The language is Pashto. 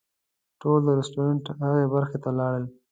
ټول د رسټورانټ هغې برخې ته لاړل.